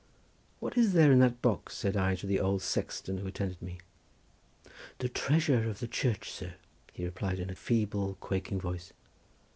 "What is there in that box?" said I to the old sexton who attended me. "The treasure of the church, sir," he replied in a feeble quaking voice.